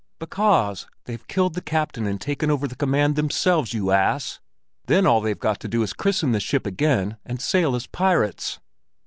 "Because they've killed the captain and taken over the command themselves, you ass! Then all they've got to do is to christen the ship again, and sail as pirates."